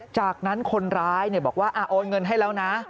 จากนั้นคนร้ายบอกว่าโอนเงินให้แล้วนะ